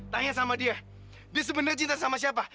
tanya sama dia dia sebenarnya cinta sama siapa